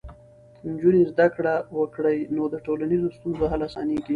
نجونې زده کړه وکړي، نو د ټولنیزو ستونزو حل اسانېږي.